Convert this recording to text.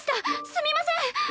すみません！